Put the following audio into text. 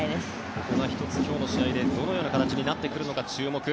ここが１つ、今日の試合でどのような形になってくるのか注目。